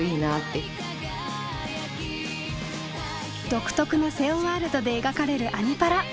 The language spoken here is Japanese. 独特な瀬尾ワールドで描かれる「アニ×パラ」。